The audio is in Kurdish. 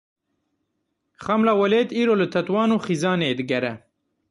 Xemla Welêt îro li Tetwan û Xîzanê digere.